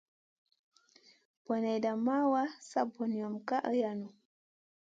Boneyda ma wa, sa banion ka iyranou.